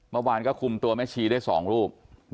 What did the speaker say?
เมื่อวานก็คุมตัวแม่ชีได้๒รูป